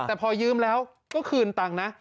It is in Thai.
แต่พอยืมแล้วก็คืนตังค์นะ